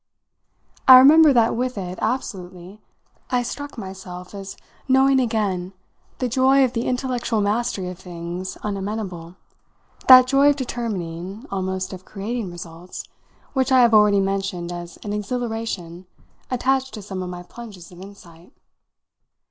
I remember that with it, absolutely, I struck myself as knowing again the joy of the intellectual mastery of things unamenable, that joy of determining, almost of creating results, which I have already mentioned as an exhilaration attached to some of my plunges of insight.